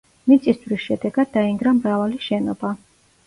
მიწისძვრის შედეგად დაინგრა მრავალი შენობა.